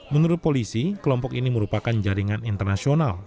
menurut polisi kelompok ini merupakan jaringan internasional